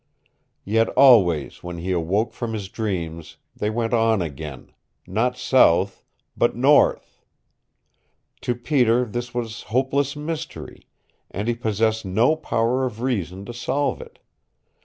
Yet always when he awoke from his dreams they went on again not south but north. To Peter this was hopeless mystery, and he possessed no power of reason to solve it.